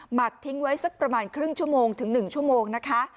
หักทิ้งไว้สักประมาณครึ่งชั่วโมงถึง๑ชั่วโมงนะคะ